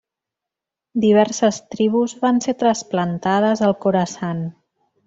Diverses tribus van ser trasplantades al Khorasan.